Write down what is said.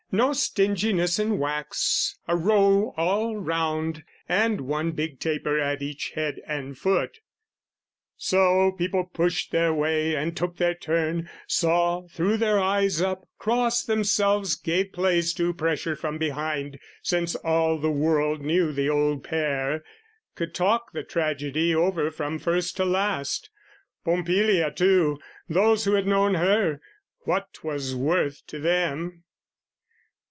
No stinginess in wax, a row all round, And one big taper at each head and foot. So, people pushed their way, and took their turn, Saw, threw their eyes up, crossed themselves, gave place To pressure from behind, since all the world Knew the old pair, could talk the tragedy Over from first to last: Pompilia too, Those who had known her what 'twas worth to them!